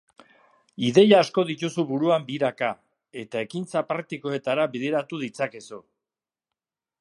Ideia asko dituzu buruan biraka, eta ekintza praktikoetara bideratu ditzakezu.